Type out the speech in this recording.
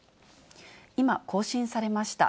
今、更新されました。